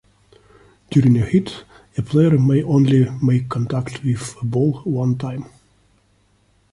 During a hit, a player may only make contact with the ball one time.